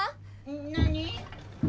・何？